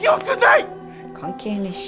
関係ねえし。